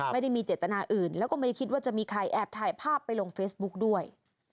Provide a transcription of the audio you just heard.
ไม่ได้มีเจตนาอื่นแล้วก็ไม่ได้คิดว่าจะมีใครแอบถ่ายภาพไปลงเฟซบุ๊กด้วย